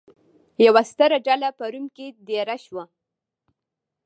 یوه ستره ډله په روم کې دېره شوه.